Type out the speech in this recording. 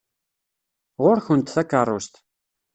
Ɣur-kent takeṛṛust!